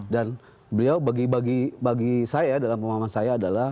dan beliau bagi saya dalam pemahaman saya adalah